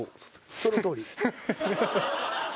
そのとおり。